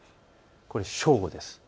これは正午です。